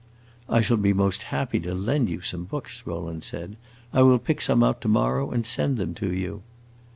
"I shall be most happy to lend you some books," Rowland said. "I will pick some out to morrow and send them to you."